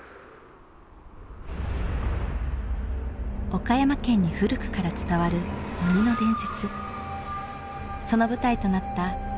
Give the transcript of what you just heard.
岡山県に古くから伝わる鬼の伝説その舞台となった鬼ノ城。